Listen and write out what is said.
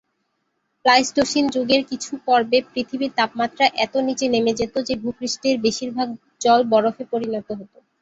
Pleistocene যুগের কিছু পর্বে পৃথিবীর তাপমাত্রা এত নিচে নেমে যেত যে ভূ-পৃষ্ঠের বেশির ভাগ জল বরফে পরিণত হত।